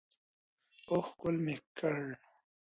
او ښکل مې کړ.